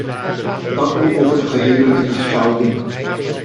Dat moet over de gehele linie gelden.